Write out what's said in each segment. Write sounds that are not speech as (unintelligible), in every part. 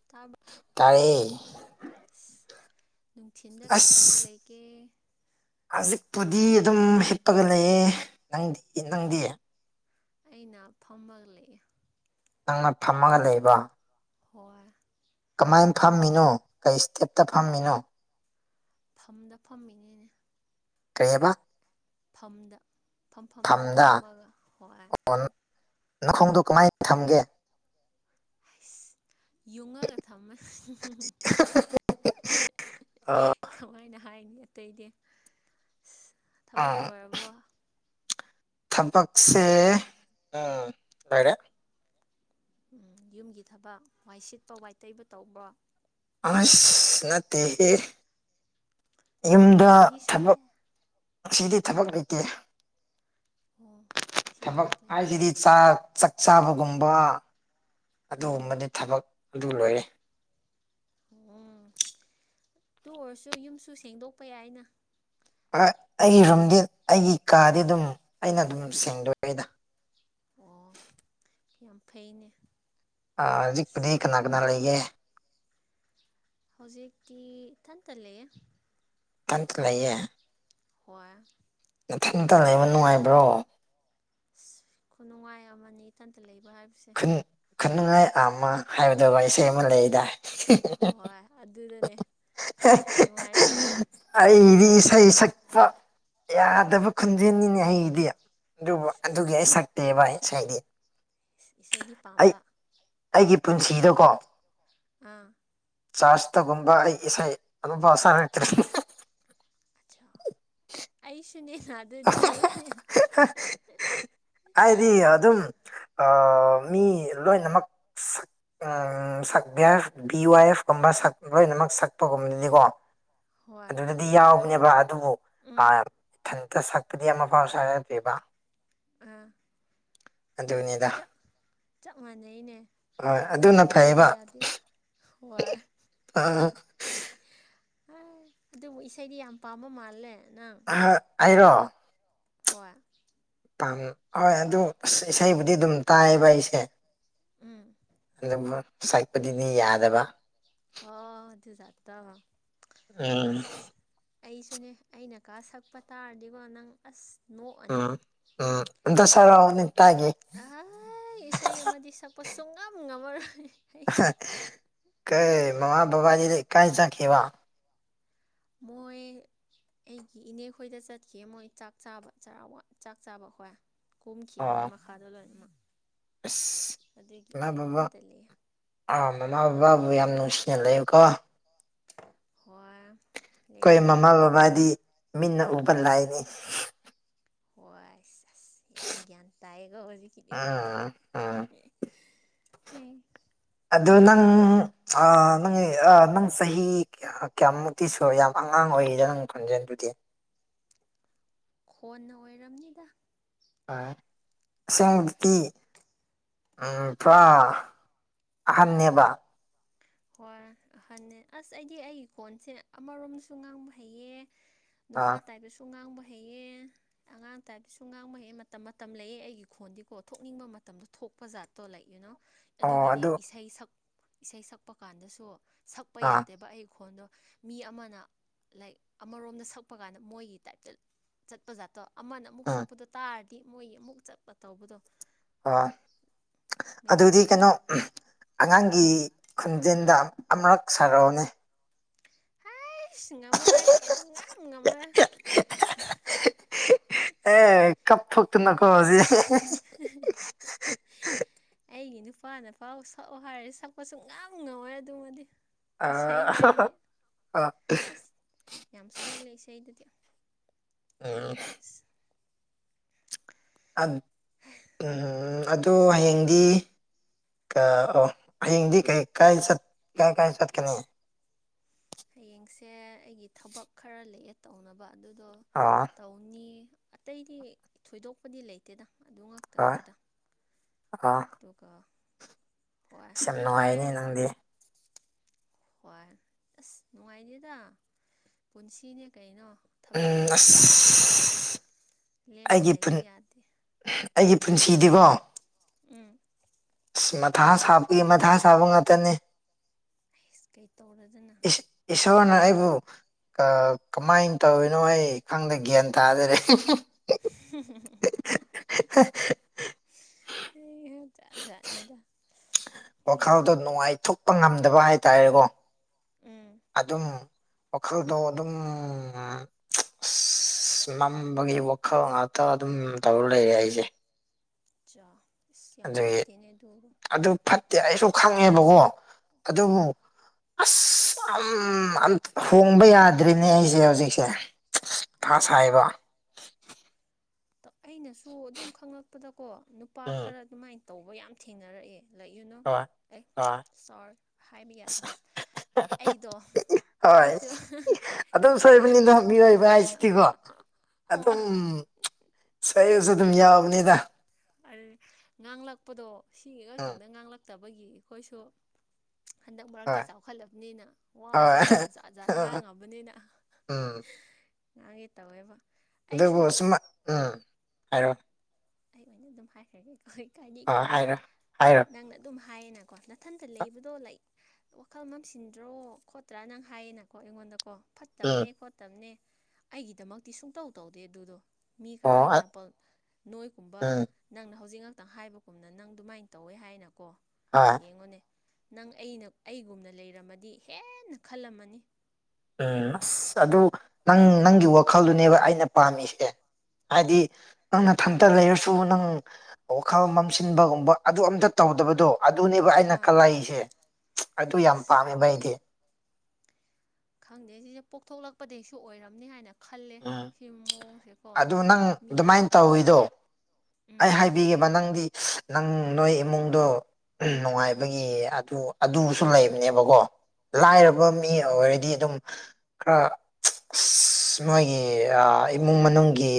(unintelligible) ꯇꯥꯏꯌꯦ ꯑꯁ ꯅꯨꯡꯊꯤꯟꯗ ꯀꯩꯇꯧꯔ ꯑꯁ ꯂꯩꯒꯦ ꯍꯧꯖꯤꯛꯄꯨꯗꯤ ꯑꯗꯨꯝ ꯍꯤꯞꯄꯒ ꯂꯩꯌꯦ ꯅꯪꯗꯤ ꯅꯪꯗꯤ ꯑꯩꯅ ꯐꯝꯕ ꯂꯩꯑꯦ ꯅꯪꯅ ꯊꯝꯃꯒ ꯂꯩꯕ ꯍꯣꯏ ꯀꯃꯥꯏꯅ ꯐꯝꯃꯤꯅꯣ ꯀꯩ ꯏꯁꯇꯦꯞꯇ ꯐꯝꯃꯤꯅꯣ ꯐꯝꯗ ꯐꯝꯃꯤꯅꯦꯅꯦ ꯀꯩꯍꯥꯏꯕ ꯐꯝꯗ ꯐꯝꯐꯝꯗ ꯐꯝꯗ ꯐꯝꯃꯒ ꯍꯣꯏ ꯅꯈꯣꯡꯗꯣ ꯀꯃꯥꯏꯅ ꯊꯝꯒꯦ ꯑꯁ ꯌꯨꯡꯉꯒ ꯊꯝꯃꯦ ꯑ ꯀꯃꯥꯏꯅ ꯍꯥꯏꯅꯤ ꯑꯇꯩꯗꯤ ꯊꯕꯛ ꯎꯝ ꯂꯣꯏꯔꯕꯣ ꯊꯕꯛꯁꯦ ꯎꯝ ꯂꯩꯔꯦ ꯌꯨꯝꯒꯤ ꯊꯕꯛ ꯋꯥꯏ ꯁꯤꯠꯄ ꯋꯥꯏ ꯇꯩꯕ ꯇꯧꯕ꯭ꯔꯣ ꯑꯁ ꯅꯠꯇꯦꯍ ꯌꯨꯝꯗ ꯐꯤꯗꯤ ꯊꯕꯛ ꯁꯨꯗꯦ ꯑꯁꯤꯗꯤ ꯊꯕꯛ ꯂꯩꯇꯦ ꯑꯣ ꯉꯁꯤ ꯊꯃꯛ ꯊꯕꯛ ꯂꯩꯇꯦ ꯑꯕꯁꯤꯗꯤ ꯆ ꯆ ꯆꯥꯕꯒꯨꯝꯕ ꯎꯝ ꯑꯗꯨꯒꯨꯝꯕꯗꯤ ꯊꯕꯛ ꯑꯗꯨ ꯂꯣꯏꯔꯦ ꯑꯣ ꯑꯗꯨ ꯑꯣꯏꯔꯁꯨ ꯌꯨꯝꯁꯨ ꯁꯦꯡꯗꯣꯛꯄ ꯌꯥꯏꯅ ꯑꯩꯒꯤ ꯔꯨꯝꯗꯤ ꯑꯩꯒꯤ ꯀꯥꯗꯤ ꯑꯗꯨꯝ ꯑꯩꯅ ꯑꯗꯨꯝ ꯁꯦꯡꯗꯣꯛ ꯑꯩꯗ ꯑꯣ ꯌꯥꯝ ꯐꯩꯅꯦ ꯍꯧꯖꯤꯛ ꯑꯁ ꯄꯤꯗꯤ ꯀꯅꯥ ꯀꯅꯥ ꯂꯩꯒꯦ ꯍꯧꯖꯤꯛꯇꯤ ꯏꯊꯟꯇꯂꯦ ꯄꯥꯟꯇ ꯂꯩꯌꯦ ꯍꯣꯏ ꯃꯊꯟꯇ ꯂꯩꯕ ꯅꯨꯡꯉꯥꯏꯕ꯭ꯔꯣ ꯑꯁ ꯈꯨꯅꯨꯡꯉꯥꯏ ꯑꯃꯅꯤ ꯏꯊꯟꯇ ꯂꯩꯕ ꯍꯥꯏꯕꯁꯤ ꯈꯟꯅꯤꯡꯉꯥꯏ ꯑꯃ ꯑꯃ ꯍꯥꯏꯕꯗꯨ ꯋꯥ ꯏꯁꯩ ꯑꯃ ꯂꯩꯗꯥ ꯍꯣꯏ ꯑꯗꯨꯗꯅꯦ ꯌꯥꯝ ꯅꯨꯡꯉꯥꯏꯔꯤꯖꯥꯠꯅꯦ ꯑꯩꯗꯤ ꯏꯁꯩ ꯁꯛꯄ ꯌꯥꯗꯕ ꯈꯨꯣꯟꯖꯦꯟꯅꯤꯅꯦ ꯑꯩꯒꯤꯗꯤ ꯑꯗꯨꯕꯨ ꯑꯗꯨꯒꯤ ꯑꯩ ꯁꯛꯇꯦ ꯚ ꯑꯩ ꯉꯥꯏꯗꯤ ꯏꯁꯩꯗꯤ ꯄꯥꯝꯕ ꯑꯩꯒꯤ ꯄꯨꯟꯁꯤꯗꯀꯣ ꯑꯥ ꯆꯥꯔꯆꯇꯒꯨꯝꯕ ꯑꯩ ꯏꯁꯩ ꯑꯗꯨꯐꯥꯎꯁꯥꯟꯅꯛꯇ ꯎ ꯑꯩꯁꯨꯨ ꯅꯅꯥꯗꯗꯤ ꯍꯥꯏꯗꯤ ꯑꯗꯨꯝ ꯃꯤ ꯂꯣꯏꯅꯃꯛ ꯎ ꯕꯤ ꯋꯥꯏ ꯑꯦꯐ ꯀꯨꯝꯕ ꯂꯣꯏꯅꯃꯛ ꯁꯛꯄꯒꯨꯝꯕꯅꯤꯀꯣ ꯍꯣꯏ ꯑꯗꯨꯗꯗꯤ ꯌꯥꯎꯕꯅꯦꯕ ꯑꯗꯨꯕꯨ ꯑ ꯎꯝ ꯏꯊꯟꯇ ꯁꯛꯄꯗꯤ ꯑꯃ ꯄꯥꯎ ꯁꯥꯔꯗꯣꯏꯕ ꯑꯥ ꯑꯗꯨꯅꯤꯗ ꯞ ꯆꯞ ꯃꯥꯟꯅꯩꯅꯦ ꯍꯣꯏ ꯑꯗꯨꯅ ꯑꯩꯁꯨ ꯈꯣꯟ ꯐꯩꯕ ꯌꯥꯗꯦ ꯍꯣꯏ ꯑꯥ, ꯍ ꯑꯗꯨꯕꯨ ꯏꯁꯩꯗꯤ ꯌꯥꯝ ꯄꯥꯝꯕ ꯃꯥꯜꯂꯦ ꯅꯪ ꯍꯥꯏꯔꯣ ꯍꯣꯏ ꯥꯝ ꯍꯣꯏ ꯑꯗꯨ ꯑꯁ ꯏꯁꯩꯕꯨꯗꯤ ꯑꯗꯨꯝ ꯇꯥꯏꯌꯦꯕ ꯑꯩꯁꯦ ꯎꯝ ꯑꯗꯨ ꯁꯥꯏꯄꯗꯤꯅꯤ ꯌꯥꯗꯕ ꯍ ꯑꯗꯨꯖꯔꯗ ꯎꯝ ꯑꯁ ꯑꯩꯁꯨꯅꯦ ꯑꯩꯅꯀꯥ ꯁꯛꯄ ꯇꯥꯔꯗꯤꯀꯣ ꯅꯪ ꯑꯁ ꯅꯣꯛꯑꯅꯤ ꯎꯝ ꯎꯝ ꯑꯗ ꯁꯔꯅꯤꯠꯇꯒꯤꯦ ꯑꯩ ꯏꯁꯩ ꯑꯃꯗꯤ ꯁꯛꯄꯁꯨꯨꯡ ꯉꯝ ꯉꯝꯃꯔꯣꯏ ꯑꯩ ꯀꯩ ꯃꯥꯃ ꯕꯥꯖꯤ ꯂꯩ ꯀꯥꯏ ꯆꯈꯦ ꯋꯥ ꯃꯣꯏ ꯑꯩꯒꯤ ꯏꯅꯦ ꯈꯣꯏꯗ ꯆꯠꯈꯤ ꯃꯣꯏ ꯆꯥꯛ ꯆꯥꯕ ꯆꯔ ꯆꯥꯛ ꯆꯥꯕ ꯍꯣꯏ ꯀꯣꯝꯈꯤ ꯑꯣ ꯑꯃꯣꯏ ꯃꯈꯥꯗꯣ ꯂꯣꯏꯅꯃꯛ ꯑꯁ ꯑꯗꯨꯒꯤ ꯏꯃꯥ ꯕꯕꯥ ꯏꯊꯟꯇ ꯂꯩꯦ ꯑꯥ ꯃꯃꯥ ꯕꯕꯥꯕꯨ ꯌꯥꯝ ꯅꯨꯡꯁꯤꯅ ꯂꯩꯕꯀꯣ ꯍꯣꯏ ꯑꯩꯈꯣꯏ ꯂꯩꯔꯤꯅꯦ ꯃꯃꯥ ꯕꯕꯥꯗꯤ ꯃꯤꯅ ꯎꯕ ꯂꯥꯏꯅꯤ ꯍꯣꯏꯁ ꯑꯁ ꯌꯥꯝꯅ ꯒ꯭ꯌꯥꯟ ꯇꯥꯏꯌꯦꯒ ꯍꯧꯖꯤꯛ ꯀꯗ ꯎꯝ ꯎꯝ ꯍ ꯑꯗꯨ ꯅꯪ ꯅꯪ ꯅꯪ ꯆꯍꯤ ꯀꯌꯥꯝꯃꯨꯛꯇꯤ ꯁꯨꯔ ꯌꯥꯝ ꯑꯉꯥꯡ ꯑꯣꯏꯔꯤꯗꯅ ꯅꯪꯛ ꯈꯣꯟꯖꯦꯜ ꯑꯗꯨꯗꯤ ꯈꯣꯟꯅ ꯑꯣꯏꯔꯝꯅꯤꯗ ꯑ ꯁꯇꯤ ꯎꯝ ꯄꯨꯔꯥ ꯑꯍꯟꯅꯅꯦꯕ ꯍꯣꯏ ꯑꯍꯟ ꯑꯁ ꯑꯩꯗꯤ ꯑꯩꯒꯤ ꯀꯣꯟꯁꯦ ꯑꯃꯔꯣꯝꯁꯨ ꯉꯥꯡꯕ ꯍꯩꯌꯦ ꯑꯥ ꯅꯨꯄꯥ ꯇꯥꯏꯕꯁꯨ ꯉꯥꯡꯕ ꯍꯩꯌꯦ ꯑꯉꯥꯡ ꯇꯥꯏꯕꯗꯤ ꯁ ꯉꯥꯡꯃꯛꯩꯍꯩ ꯃꯇꯝ ꯃꯇꯝ ꯂꯩꯑ ꯑꯩꯒꯤ ꯈꯣꯟꯗꯤꯀꯣ ꯊꯣꯛꯅꯤꯡꯕ ꯃꯇꯝꯗꯣ ꯊꯣꯛꯄ ꯥꯠ ꯇꯣ ꯂꯩ ꯌꯨꯅꯣ ꯑꯣ ꯑꯗꯨꯒꯤꯅꯦ ꯑꯗꯨ ꯏꯁꯩ ꯁꯛ ꯏꯁꯩ ꯁꯛꯄ ꯀꯥꯟꯗꯁꯨ ꯁꯛꯄ ꯑꯥ ꯌꯥꯗꯦꯕ ꯑꯩ ꯈꯣꯟꯗꯣ ꯃꯤ ꯑꯃꯅ ꯂꯥꯏꯛ ꯑꯃꯔꯣꯝꯗ ꯁꯛꯄ ꯀꯥꯟꯗ ꯃꯣꯏꯒꯤ ꯇꯥꯏꯞꯇ ꯆꯠꯄ ꯖꯥꯠꯇꯣ ꯑꯃꯅ ꯑꯃꯨꯛ ꯎꯝ ꯁꯛꯄꯗꯣ ꯇꯥꯔꯗꯤ ꯃꯣꯏ ꯑꯃꯨꯛ ꯆꯠꯄ ꯇꯧꯕꯗꯣ ꯑꯣ ꯃꯩ ꯑꯗꯨꯗꯤ ꯀꯩꯅꯣ ꯑꯉꯥꯡꯒꯤ ꯎꯝ ꯈꯣꯟꯖꯦꯟꯗ ꯑꯃꯔꯛ ꯁꯔꯥꯎꯅꯦ ꯍ ꯁꯤ ꯉꯝꯃꯔꯣꯏ ꯁꯨꯡ ꯉ ꯉꯝꯃꯔ ꯑꯦ ꯀꯞ ꯊꯣꯛꯇꯅꯀꯣ ꯍꯧꯖꯤꯛ ꯍ ꯑꯩꯒꯤ ꯅꯨꯄꯥ ꯅꯨꯄꯥ ꯁꯛꯎ ꯍꯥꯏꯔꯗꯤ ꯁꯛꯄꯁꯨ ꯉ ꯉꯝꯋꯔꯦ ꯑꯗꯨꯃꯗꯤ ꯑ ꯏꯁꯩ ꯍꯥꯏꯕꯗꯤ ꯑꯁ ꯌꯥꯝ ꯁꯣꯜꯂꯦ ꯏꯁꯩꯗꯗꯤ ꯎ ꯑ ꯎꯝ ꯑꯗꯨꯗ ꯍꯌꯦꯡꯗꯤ ꯑꯣ ꯍꯌꯦꯡꯗꯤ ꯀ ꯀꯥꯏ ꯀꯥꯏ ꯀꯥꯏ ꯆꯠꯀꯅꯤ ꯍꯌꯦꯡꯁꯦ ꯑꯩꯒꯤ ꯊꯕꯛ ꯈꯔ ꯂꯩꯑꯦ ꯇꯧꯅꯕ ꯑꯗꯨꯗꯣ ꯑꯣ ꯇꯧ ꯅꯤ ꯑꯇꯩꯗꯤ ꯊꯣꯏꯗꯣꯛꯄꯗꯤ ꯂꯩꯇꯦꯗ ꯑꯗꯨ ꯉꯥꯛꯇꯪꯅꯤꯗ ꯑꯥ ꯀꯀꯥ ꯑꯁ ꯌꯥꯝ ꯅꯨꯡꯉꯥꯏꯅꯤ ꯅꯪꯗꯤ ꯍꯣꯏ ꯑꯁ ꯅꯨꯡꯉꯥꯏꯅꯦꯗ ꯄꯨꯟꯁꯤꯅꯦ ꯀꯩꯅꯣ ꯊꯕꯛ ꯎꯝ ꯇꯧꯕ ꯇꯥꯕꯅꯤ ꯑꯁ ꯂꯦꯝꯅ ꯑꯩꯒꯤ ꯄꯨꯟ ꯂꯩꯕ ꯌꯥꯗꯦ ꯑꯩꯒꯤ ꯄꯨꯟꯁꯤꯗꯤꯀꯣ ꯎꯝ ꯑꯁ ꯃꯊꯥ ꯁꯥꯄꯒꯤ ꯃꯊꯥ ꯁꯥꯕ ꯉꯥꯛꯇꯅꯦ ꯍꯩꯁ ꯀꯩ ꯇꯧꯔꯗꯅ ꯏꯁꯅ ꯑꯩꯕꯨ ꯀꯃꯥꯏꯅ ꯇꯧꯔꯤꯅꯣ ꯑꯩ ꯈꯪꯗꯦ ꯒ꯭ꯌꯥꯟ ꯇꯥꯗꯔꯦ (unintelligible) ꯑꯁ ꯍꯩ ꯍꯥ ꯖꯥꯠ ꯖꯥꯠꯅꯤꯗ (unintelligible) ꯅꯨꯡꯉꯥꯏꯊꯣꯛ ꯀꯄ ꯉꯝꯗꯕ ꯍꯥꯏꯇꯥꯔꯦꯀꯣ ꯎꯝ ꯑꯗꯨꯝ ꯋꯥꯈꯜꯗꯣ ꯑꯗꯨꯝ (unintelligible) ꯑꯁ ꯅꯝꯕꯒꯤ ꯋꯥꯈꯜ ꯉꯥꯛꯇ ꯑꯗꯨꯝ ꯇꯧꯔ ꯂꯩꯔꯦ ꯑꯩꯁꯦ ꯆꯥꯎ ꯑꯗꯨꯒꯤ ꯑꯗꯨ ꯐꯠꯇꯦ ꯑꯩꯁꯨ ꯈꯪꯉꯦꯕꯀꯣ ꯎꯝ ꯑꯗꯨꯗ ꯑꯁ ꯑꯝ ꯍꯣꯡꯕ ꯌꯥꯗ꯭ꯔꯤꯅꯦ ꯑꯩꯁꯦ ꯍꯧꯖꯤꯛꯁꯦ ꯃꯊꯥ ꯑꯆꯥ ꯁꯥꯏꯕ ꯑꯩꯅꯁꯨ ꯑꯗꯨꯝ ꯈꯪꯂꯛꯄꯗꯀꯣ ꯅꯨꯄꯥ ꯎꯝ ꯈꯔ ꯑꯗꯨꯃꯥꯏꯅ ꯇꯧꯕ ꯌꯥꯝ ꯊꯦꯡꯅꯔꯛꯑꯦ ꯂꯩꯌꯨꯅꯨ ꯍꯣꯏ ꯑꯦ ꯍꯣꯏ ꯁꯔ ꯍꯥꯏꯕ ꯌꯥꯗꯦ ꯑꯩꯗꯣ ꯍꯣꯏ ꯑꯩꯁꯨ ꯑꯗꯨꯝ ꯏꯊꯟꯇ ꯁꯣꯏꯕꯅꯤꯗ ꯂꯩꯅ ꯃꯤꯑꯣꯏꯕ ꯍꯥꯏꯕꯁꯤꯗꯤꯀꯣ ꯍꯣꯏ ꯑꯗꯨꯝ ꯁꯣꯏꯕꯁꯨ ꯑꯗꯨꯝ ꯌꯥꯎꯕꯅꯤꯗ ꯑꯗꯨ ꯉꯥꯡꯂꯛꯄꯗꯣ ꯁꯤ ꯎꯝ ꯈꯛꯇꯪꯗ ꯉꯥꯡꯂꯛꯇꯕꯒꯤ ꯑꯩꯈꯣꯏꯁꯨ ꯍꯟꯗꯛ ꯃꯔꯛꯇꯤ ꯍꯣꯏ ꯆꯥꯎꯈꯠꯂꯕꯅꯤꯅ ꯍꯣꯏ ꯋꯥꯁꯦꯀꯣ ꯖꯥꯠ ꯖꯥꯠ ꯉꯥꯡꯉꯕꯅꯤꯅ ꯎꯝ ꯉꯒꯤ ꯇꯧꯋꯦꯕ ꯑꯩꯁꯨ ꯑꯗꯨꯕꯨ ꯁꯨꯝ ꯎꯝ ꯍꯥꯏꯔꯛꯑꯣ ꯑꯩ ꯑꯣꯏꯅ ꯑꯗꯨꯝ ꯍꯥꯏꯈ꯭ꯔꯒꯦ ꯀꯣ ꯏꯀꯥꯏꯗꯤ ꯑ ꯏꯀꯥꯏ ꯍꯥꯏꯔꯣ ꯍꯥꯏꯔꯣ ꯅꯪꯅ ꯑꯗꯨꯝ ꯍꯥꯏꯌꯦ ꯅ ꯀꯣ ꯅꯥꯊꯟꯇ ꯂꯩꯕꯗꯣ ꯂꯥꯏ ꯋꯥꯈꯜ ꯃꯝꯁꯤꯟꯗ꯭ꯔꯣ ꯈꯣꯠꯇ꯭ꯔꯥ ꯅꯪ ꯍꯥꯏꯌꯦꯅꯀꯣ ꯑꯩꯉꯣꯟꯗꯀꯣ ꯎꯝ ꯐꯠꯇꯕꯅꯦ ꯈꯣꯠꯇꯕꯅꯦ ꯑꯩꯒꯤꯗꯃꯛꯇꯤ ꯁꯨꯡꯇꯧ ꯇꯧꯗꯦ ꯑꯗꯨꯗꯣ ꯃꯤ ꯈꯔ ꯑꯣ ꯑꯦꯛꯖꯥꯝꯄꯜ ꯅꯣꯏꯒꯨꯝꯕ ꯎꯝ ꯅꯪꯅ ꯍꯧꯖꯤꯛ ꯉꯥꯛꯇꯪ ꯍꯥꯏꯕꯒꯨꯝꯅ ꯅꯪ ꯑꯗꯨꯃꯥꯏꯅ ꯇꯧꯋꯦ ꯍꯥꯏꯅꯀꯣ ꯑꯥ ꯌꯦꯡꯉꯣꯅꯦ ꯅꯪ ꯑꯩꯅ ꯑꯩꯒꯨꯝꯅ ꯂꯩꯔꯝꯃꯗꯤ ꯍꯦꯟꯅ ꯈꯜꯂꯝꯃꯅꯤ ꯎꯝ ꯑꯁ ꯑꯗꯨ ꯅꯪ ꯅꯪꯒꯤ ꯋꯥꯈꯜꯗꯨꯅꯦꯕ ꯑꯩꯅ ꯄꯥꯝꯃꯤꯁꯦ ꯍꯥꯏꯗꯤ ꯅꯪꯅ ꯊꯝꯇ ꯂꯩꯔꯁꯨ ꯅꯪ ꯋꯥꯈꯜ ꯃꯝꯁꯤꯟꯕꯒꯨꯝꯕ ꯑꯗꯨ ꯑꯝꯇ ꯇꯧꯗꯕꯗꯣ ꯑꯗꯨꯅꯦꯕ ꯑꯩꯅ ꯑꯥ ꯀꯂꯛꯏꯁꯦ ꯑꯗꯨ ꯌꯥꯝ ꯑꯁ ꯄꯥꯝꯃꯦꯕ ꯑꯩꯗꯤ ꯈꯪꯗꯦ ꯁꯤꯁꯦ ꯄꯣꯛꯊꯣꯛꯂꯛꯄꯗꯒꯩꯁꯨ ꯑꯣꯏꯔꯝꯅꯤ ꯍꯥꯏꯅ ꯈꯜꯂꯦ ꯎꯝ ꯁꯤ ꯃꯑꯣꯡꯁꯦꯀꯣ ꯃꯤ ꯇꯧꯏꯗꯣ ꯑꯩ ꯎꯝ ꯍꯥꯏꯕꯤꯒꯦꯕ ꯅꯪꯗꯤ ꯅꯪ ꯅꯣꯏ ꯏꯃꯨꯡꯗꯣ ꯎꯝ ꯅꯨꯡꯉꯥꯏꯕꯒꯤ ꯑꯗꯨ ꯑꯗꯨꯁꯨ ꯂꯩꯕꯅꯦꯕꯀꯣ ꯂꯥꯏꯔꯕ ꯍꯣꯏ ꯃꯤ ꯑꯣꯏꯔꯗꯤ ꯑꯗꯨꯝ ꯈꯔ ꯃꫭꯏꯒꯤ ꯑ ꯏꯃꯨꯡ ꯃꯅꯨꯡꯒꯤ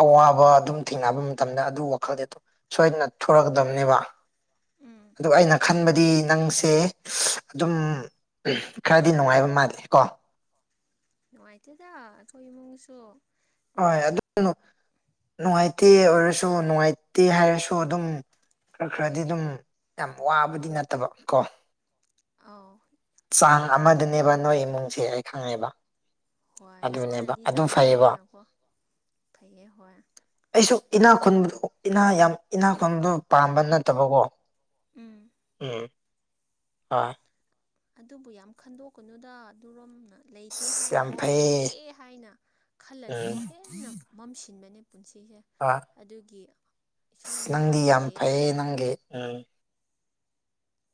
ꯑꯋꯥꯕ ꯑꯗꯨꯝ ꯊꯦꯡꯅꯕ ꯃꯇꯝꯗ ꯑꯗꯨ ꯋꯥꯈꯜꯗꯤ ꯁꯣꯏꯗꯅ ꯊꯣꯔꯛꯀꯗꯕꯅꯦꯕ ꯎꯝ ꯑꯗꯨ ꯑꯩꯅ ꯈꯟꯕꯗꯤ ꯅꯪꯁꯦ ꯑꯗꯨꯝ ꯎ ꯈꯔꯗꯤ ꯅꯨꯡꯉꯥꯏꯕ ꯃꯥꯗꯦ ꯀꯣ ꯅꯨꯡꯉꯥꯏꯇꯦꯗ ꯑꯩꯈꯣꯏ ꯏꯃꯨꯡꯁꯨ ꯍꯣꯏ ꯂꯥꯏꯛ ꯑꯗꯨ ꯅꯨꯡꯉꯥꯏꯇꯦ ꯑꯣꯏꯔꯁꯨ ꯅꯨꯡꯉꯥꯏꯇꯦ ꯍꯥꯏꯔꯁꯨ ꯑꯗꯨꯝ ꯈꯔ ꯈꯔꯗꯤ ꯑꯗꯨꯝ ꯌꯥꯝ ꯋꯥꯕꯗꯤ ꯅꯠꯇꯕ ꯀꯣ ꯑꯥꯎ ꯆꯥꯡ ꯂꯥꯏꯛ ꯑꯗꯨꯕꯨ ꯑꯃꯗꯅꯦꯕ ꯅꯣꯏ ꯏꯃꯨꯡꯁꯦ ꯑꯩ ꯈꯪꯉꯦꯕ ꯍꯣꯏ ꯑꯗꯨꯅꯦꯕ ꯏꯁꯣꯔꯅꯗꯤ ꯑꯗꯨ ꯐꯩꯌꯦꯕ ꯆꯥꯟꯕꯤꯗꯅꯀꯣ ꯐꯩꯌꯦ ꯍꯣꯏ ꯑꯩꯁꯨ ꯏꯅꯥ ꯈꯨꯟꯕꯗꯣ ꯏꯅꯥ ꯌꯥꯝ ꯏꯅꯥꯛ ꯈꯨꯟꯕꯗꯣ ꯄꯥꯝꯕ ꯅꯠꯇꯕꯀꯣ ꯎꯝ ꯎꯝ ꯑꯥ ꯑꯗꯨꯕꯨ ꯌꯥꯝ ꯈꯟꯗꯣꯛꯀꯅꯨꯗ ꯑꯗꯨꯔꯣꯝꯅ ꯂꯩꯇꯦ ꯑꯁ ꯌꯥꯝ ꯍꯥꯏꯅꯀꯣ ꯐꯩꯌꯦ ꯂꯩꯇꯦ ꯍꯥꯏꯅ ꯈꯜꯂꯗꯤꯀꯣ ꯎꯝ ꯍꯦꯟꯅ ꯃꯝꯁꯤꯟꯕꯅꯦ ꯄꯨꯟꯁꯤꯁꯦ ꯍꯣꯏ ꯑꯗꯨꯒꯤ ꯑꯁ ꯏꯁꯣꯔꯅꯁꯨ ꯅꯪꯗꯤ ꯍꯥꯏꯕ ꯌꯥꯝ ꯐꯩꯌꯦ ꯂꯩꯌꯦꯅꯀꯣ ꯅꯪꯒꯤ ꯎꯝ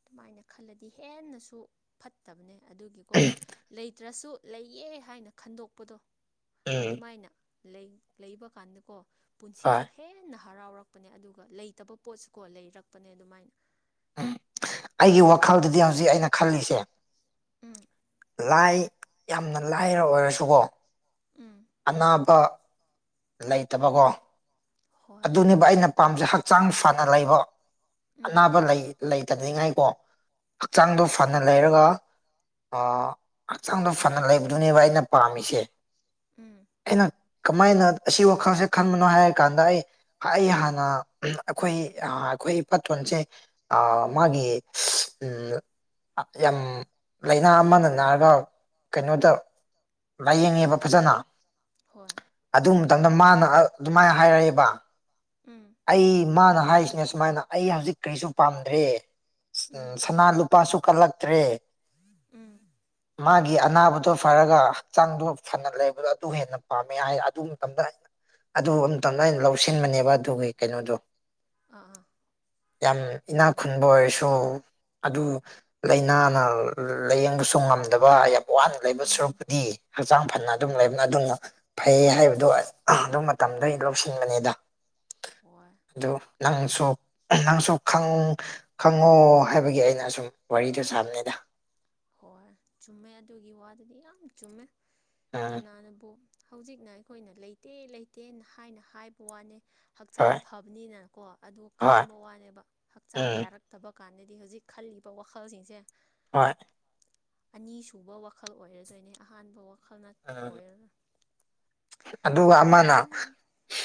ꯑꯗꯨꯃꯥꯏꯅ ꯈꯜꯂꯗꯤ ꯍꯦꯟꯅꯁꯨ ꯐꯠꯇꯕꯅꯦ ꯑꯗꯨꯒꯤꯀꯣ ꯂꯩ ꯇ꯭ꯔꯁꯨ ꯂꯩꯌꯦ ꯍꯥꯏꯅ ꯈꯟꯗꯣꯛꯄꯗꯣ ꯎꯝ ꯑꯗꯨꯃꯥꯏꯅ ꯂꯩꯕ ꯀꯥꯟꯗꯀꯣ ꯍꯣꯏ ꯄꯨꯟꯁꯤꯁꯨ ꯍꯦꯟꯅ ꯍꯔꯥꯎꯔꯛꯄꯅꯦ ꯑꯗꯨꯒ ꯂꯩꯇꯕ ꯄꯣꯠꯁꯨꯀꯣ ꯂꯩꯔꯛꯄꯅꯦ ꯑꯗꯨꯃꯥꯏꯅ ꯎꯝ ꯑꯩꯒꯤ ꯋꯥꯈꯜꯗꯗꯤ ꯍꯧꯖꯤꯛ ꯑꯩꯅ ꯈꯜꯂꯤꯁꯦ ꯎꯝ ꯂꯥꯏ ꯌꯥꯝꯅ ꯂꯥꯏꯔ ꯑꯣꯏꯔꯁꯨꯀꯣ ꯎꯝ ꯑꯅꯥꯕ ꯂꯩꯇꯕꯀꯣ ꯍꯣꯏ ꯑꯗꯨꯅꯦꯕ ꯑꯩꯅ ꯆꯨꯝ ꯄꯥꯝꯖꯩ ꯍꯛꯆꯥꯡ ꯐꯅ ꯂꯩꯕ ꯎꯝ ꯑꯅꯥꯕ ꯂꯩ ꯂꯩꯇꯅꯤꯡꯉꯥꯏꯀꯣ ꯍꯣꯏ ꯍꯛꯆꯥꯡꯗꯣ ꯐꯅ ꯂꯩꯔꯒ ꯑꯣ ꯍꯛꯆꯥꯡꯗꯣ ꯐꯅ ꯂꯩꯕꯗꯨꯅꯦꯕ ꯑꯩꯅ ꯄꯥꯝꯃꯤꯁꯦ ꯎꯝ ꯑꯩꯅ ꯀꯃꯥꯏꯅ ꯑꯁꯤ ꯋꯥꯈꯜꯁꯦ ꯈꯟꯕꯅꯣ ꯍꯥꯏꯔ ꯀꯥꯟꯗ ꯑꯩ ꯑꯩ ꯍꯥꯟꯅ ꯑꯩꯈꯣꯏ ꯑꯩꯈꯣꯏ ꯏ ꯄꯥꯇꯣꯟꯁꯦ ꯑ ꯎꯝ ꯃꯥꯒꯤ ꯎꯝ ꯌꯥꯝ ꯂꯥꯏꯅꯥ ꯑꯃꯅ ꯅꯥꯔꯒ ꯀꯩꯅꯣꯗ ꯂꯥꯏꯌꯦꯡꯉꯦꯕ ꯐꯖꯅ ꯍꯣꯏ ꯑꯗꯨ ꯃꯇꯝꯗ ꯃꯥꯅ ꯑꯗꯨꯃꯥꯏꯅ ꯍꯥꯏꯔꯛꯑꯦꯕ ꯎꯝ ꯑꯩ ꯃꯥꯅ ꯍꯥꯏꯔꯤꯁꯤꯅꯦ ꯁꯨꯃꯥꯏꯅ ꯑꯩ ꯍꯧꯖꯤꯛ ꯀꯔꯤꯁꯨ ꯄꯥꯝꯗ꯭ꯔꯦ ꯎꯝ ꯎ ꯁꯅꯥ ꯂꯨꯄꯥꯁꯨ ꯀꯠꯂꯛꯇ꯭ꯔꯦ ꯎꯝ ꯃꯥꯒꯤ ꯑꯅꯥꯕꯗꯣ ꯐꯔꯒ ꯍꯛꯆꯥꯡꯗꯣ ꯐꯅ ꯂꯩꯕꯗꯣ ꯑꯗꯨ ꯍꯦꯟꯅ ꯄꯥꯝꯃꯦ ꯍꯥꯏ ꯑꯗꯨ ꯃꯇꯝꯗ ꯑꯩꯅ ꯑꯗꯨ ꯑꯝꯇꯪꯗ ꯑꯩꯅ ꯂꯧꯁꯤꯟꯕꯅꯦꯕ ꯑꯗꯨꯒꯤ ꯀꯩꯅꯣꯗꯣ ꯑꯥ ꯑꯥ ꯌꯥꯝ ꯏꯅꯥꯛ ꯆꯨꯝꯃꯦ ꯈꯨꯟꯕ ꯑꯣꯏꯔꯁꯨ ꯑꯗꯨ ꯂꯥꯏꯅꯥꯅ ꯂꯥꯏꯌꯦꯡꯕꯁꯨ ꯉꯝꯗꯕ ꯌꯥꯝ ꯋꯥꯅ ꯂꯩꯕ ꯎꯝ ꯁꯔꯨꯛꯄꯨꯗꯤ ꯍꯛꯆꯥꯡ ꯐꯅ ꯑꯗꯨꯝ ꯍꯣꯏ ꯂꯩꯕꯅ ꯑꯗꯨꯅ ꯐꯩ ꯍꯥꯏꯕꯗꯣ ꯑꯗꯨ ꯃꯇꯝꯗ ꯑꯩ ꯂꯧꯁꯤꯟꯕꯅꯤꯗ ꯍꯣꯏ ꯑꯗꯣ ꯅꯪꯁꯨꯣ ꯅꯪ ꯁ ꯈ ꯈꯪꯉꯣ ꯍꯥꯏꯕꯒꯤ ꯑꯩꯅ ꯑꯁꯨꯝ ꯋꯥꯔꯤꯗꫭ ꯁꯥꯕꯅꯦꯗ ꯍꯣꯏ ꯆꯨꯝꯃꯦ ꯑꯗꯨꯒꯤ ꯋꯥꯗꯨꯗꯤ ꯌꯥꯝ ꯆꯨꯝꯃꯦ ꯎꯝ ꯀꯅꯥꯅꯕꯨ ꯍꯧꯖꯤꯛꯅ ꯑꯩꯈꯣꯏꯅ ꯂꯩꯇꯦ ꯂꯩꯇꯦꯅ ꯍꯥꯏꯅ ꯍꯥꯏꯕ ꯋꯥꯅꯦ ꯍꯛꯆꯥꯡ ꯍꯣꯏ ꯐꯕꯅꯤꯅꯀꯣ ꯑꯗꯨ ꯍꯣꯏ ꯈꯟꯕ ꯋꯥꯅꯦꯕ ꯍꯛꯆꯥꯡ ꯎꯝ ꯌꯥꯔꯛ ꯇꯕ ꯀꯥꯟꯗꯗꯤ ꯍꯧꯖꯤꯛ ꯈꯜꯂꯤꯕ ꯋꯥꯈꯜꯁꯤꯡꯁꯦ ꯍꯣꯏ ꯑꯅꯤꯁꯨꯕ ꯋꯥꯈꯜ ꯑꯣꯏꯔꯗꯣꯏꯅꯦ ꯑꯍꯥꯟꯕ ꯋꯥꯈꯜꯅ ꯎꯝ ꯑꯣꯏꯔꯔꯣꯏ ꯑꯗꯨꯒ ꯑꯃꯅ ꯊꯥꯒꯠꯅꯉꯥꯏ ꯂꯩ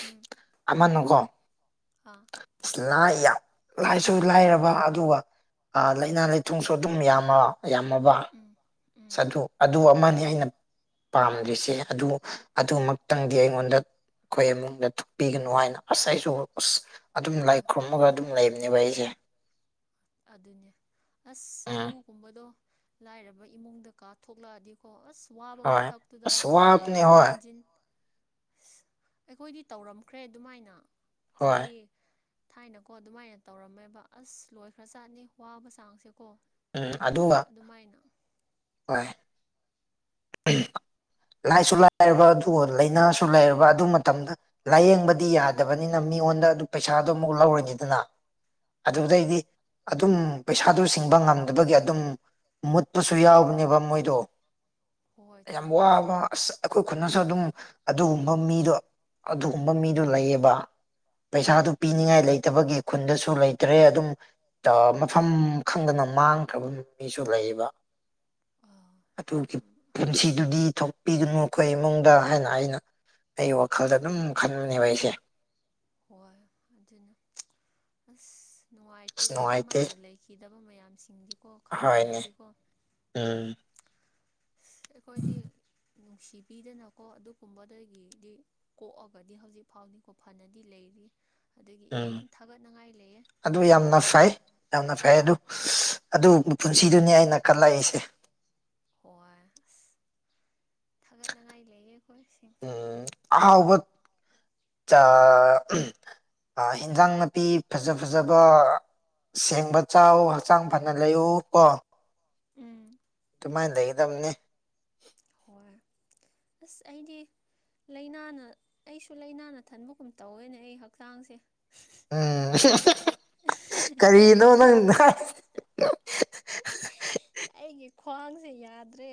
ꯎꯝ ꯑꯃꯅꯀꯣ ꯑꯥ ꯂꯥꯏ ꯌꯥꯝ ꯂꯥꯏꯁꯨ ꯂꯥꯏꯔꯕ ꯑꯗꯨꯒ ꯂꯥꯏꯅꯥ ꯂꯥꯏꯊꯨꯡꯁꯨ ꯑꯗꯨꯝ ꯌꯥꯝꯃ ꯌꯥꯝꯃꯕ ꯎꯝ ꯎꯝ ꯑꯗꯨ ꯑꯗꯨ ꯑꯃꯅꯤ ꯑꯩꯅ ꯄꯥꯝꯗ꯭ꯔꯤꯁꯦ ꯑꯗꯨ ꯑꯗꯨꯃꯛꯇꯪꯗꯤ ꯑꯩꯉꯣꯟꯗ ꯑꯩꯈꯣꯏ ꯏꯃꯨꯡꯗ ꯊꯣꯛꯄꯤꯒꯅꯨ ꯍꯥꯏꯅ ꯑꯁꯥꯏꯁꯨ ꯑꯗꯨꯝ ꯂꯥꯏ ꯍꯣꯏ ꯈꯨꯔꯨꯝꯃꯒ ꯑꯗꯨꯝ ꯂꯩꯕꯅꯦꯕ ꯑꯩꯁꯦ ꯑꯗꯨꯅꯦ ꯑꯁ ꯎꯝ ꯑꯗꯨꯒꯨꯝꯕꯗꯣ ꯂꯥꯏꯔꯕ ꯏꯃꯨꯡꯗ ꯀꯥ ꯊꯣꯛꯂꯛꯑꯗꯤꯀꯣ ꯑꯁ ꯋꯥꯕ ꯍꯣꯏ ꯃꯊꯛꯇꯨꯗ ꯑꯁ ꯋꯥꯕꯅꯦ ꯍꯟꯖꯤꯟ ꯍꯣꯏ ꯍꯟꯖꯤꯟ ꯁ ꯑꯩꯈꯣꯏꯗꯤ ꯇꯧꯔꯝꯈ꯭ꯔꯦ ꯑꯗꯨꯃꯥꯏꯅ ꯍꯣꯏ ꯆꯍꯤ ꯊꯥꯏꯅꯀꯣ ꯑꯗꯨꯃꯥꯏꯅ ꯇꯧꯔꯝꯃꯦꯕ ꯑꯁ ꯂꯣꯏꯈ꯭ꯔ ꯆꯥꯠꯅꯤ ꯋꯥꯕ ꯆꯥꯡꯁꯦꯀꯣ ꯎꯝ ꯑꯗꯨꯒ ꯑꯗꯨꯃꯥꯏꯅ ꯍꯣꯏ ꯂꯥꯏꯁꯨ ꯂꯥꯏꯔꯕ ꯑꯗꯨꯒ ꯂꯥꯏꯅꯥꯁꯨ ꯂꯥꯏꯔꯕ ꯑꯗꯨ ꯃꯇꯝꯗ ꯂꯥꯏꯌꯦꯡꯕꯗꯤ ꯎꯝ ꯌꯥꯗꯕꯅꯤꯅ ꯃꯤꯉꯣꯟꯗ ꯑꯗꯨ ꯄꯩꯁꯥꯗꯣ ꯑꯃꯨꯛ ꯂꯧꯔꯅꯤꯗꯅ ꯍꯣꯏ ꯍꯣꯏ ꯑꯗꯨꯗꯩꯗꯤ ꯑꯗꯨꯝ ꯄꯩꯁꯥꯗꯨ ꯁꯤꯡꯕ ꯉꯝꯗꯕꯒꯤ ꯑꯗꯨꯝ ꯃꯨꯠꯄꯁꯨ ꯌꯥꯎꯕꯅꯦꯕ ꯃꯣꯏꯗꯣ ꯍꯣꯏ ꯌꯥꯝ ꯆꯨꯝꯃꯦ ꯋꯥꯕ ꯑꯁ ꯑꯩꯈꯣꯏ ꯈꯨꯟꯗꯁꯨ ꯑꯗꯨꯝ ꯑꯗꯨꯒꯨꯝꯕ ꯃꯤꯗꯣ ꯑꯗꯨꯒꯨꯝꯕ ꯃꯤꯗꯣ ꯂꯩꯌꯦꯕ ꯎꯝ ꯄꯩꯁꯥꯗꯨ ꯄꯤꯅꯤꯡꯉꯥꯏ ꯂꯩꯇꯕꯒꯤ ꯈꯨꯟꯗꯁꯨ ꯂꯩꯇ꯭ꯔꯦ ꯑꯗꯨꯝ ꯑ ꯃꯐꯝ ꯈꯪꯗꯅ ꯃꯥꯡꯈ꯭ꯔꯕ ꯅꯨꯄꯤꯁꯨ ꯂꯩꯌꯦꯕ ꯑꯥ ꯑꯗꯨꯒꯤ ꯆꯨꯝꯃꯦ ꯄꯨꯟꯁꯤꯗꯨꯗꯤ ꯊꯣꯛꯄꯤꯒꯅꯨ ꯑꯩꯈꯣꯏ ꯏꯃꯨꯡꯗ ꯍꯥꯏꯅ ꯑꯩꯅ ꯑꯩ ꯋꯥꯈꯜꯗ ꯑꯗꯨꯝ ꯈꯟꯕꯅꯦꯕ ꯑꯩꯁꯦ ꯍꯣꯏ ꯑꯗꯨꯅꯦ ꯑꯁ ꯑꯁ ꯅꯨꯡꯉꯥꯏꯇꯦꯗ ꯅꯨꯡꯉꯥꯏꯇꯦ ꯑꯗꯨꯃꯥꯏꯅ ꯂꯩ ꯈꯤꯗꯕ ꯃꯌꯥꯝꯁꯤꯡꯗꯤꯀꯣ ꯍꯣꯏꯅꯦ ꯈꯟꯕꯤꯔꯗꯤꯀꯣ ꯎꯝ ꯑꯁ ꯑꯩꯈꯣꯏꯗꯤ ꯅꯨꯡꯁꯤꯕꯤꯗꯅꯀꯣ ꯑꯗꯨꯒꯨꯝꯕꯗꯒꯤꯗꯤ ꯀꯣꯛꯑꯒꯗꯤ ꯍꯧꯖꯤꯛ ꯐꯥꯎꯅꯤꯀꯣ ꯐꯅꯗꯤ ꯂꯩꯔꯤ ꯑꯗꯒꯤ ꯌꯥꯝ ꯊꯥꯒꯠꯅꯤꯡꯉꯥꯏ ꯂꯩꯌꯦ ꯍꯣꯏ ꯑꫭ ꯐꯩ ꯌꯥꯝꯅ ꯐꯩ ꯑꯗꯨ ꯑꯗꯨ ꯄꯨꯟꯁꯤꯗꯨꯅꯤ ꯑꯩꯅ ꯀꯂꯛꯏꯁꯦ ꯍꯣꯏ ꯑꯁ ꯊꯥꯒꯠꯅꯤꯡꯉꯥꯏ ꯂꯩꯌꯦ ꯑꯩꯈꯣꯏ ꯁꯤꯡ ꯎꯝ ꯑꯥꯎꯕ ꯆꯥ ꯑ ꯏꯟꯖꯥꯡ ꯅꯥꯄꯤ ꯐꯖ ꯐꯖꯕ ꯑꯁꯦꯡꯕ ꯆꯥꯎ ꯍꯛꯆꯥꯡ ꯐꯅ ꯂꯩꯌꯨ ꯀꯣ ꯎꯝ ꯑꯗꯨꯃꯥꯏꯅ ꯂꯩꯒꯗꯕꯅꯤ ꯍꯣꯏ ꯑꯁ ꯑꯩꯗꯤ ꯂꯥꯏꯅꯥꯅ ꯑꯩꯁꯨ ꯂꯥꯏꯅꯥꯅ ꯊꯟꯕꯒꯨꯝ ꯇꯧꯋꯦꯅꯦ ꯑꯩ ꯍꯛꯆꯥꯡꯁꯦ ꯎꯝ ꯀꯔꯤꯅꯣ ꯅꯪ ꯍꯥꯏ ꯑꯩꯒꯤ ꯈ꯭ꯋꯥꯡꯁꯦ ꯌꯥꯗ꯭ꯔꯦ